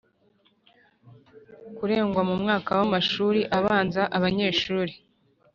kurengwa mu mwaka wa w amashuri abanza Abanyeshuri